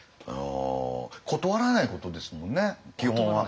断らないことですもんね基本は。